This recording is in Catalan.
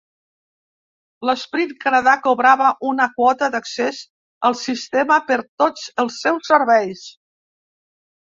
L'Sprint Canada cobrava una quota d'accés al sistema per tots els seus serveis.